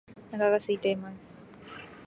お腹が空いています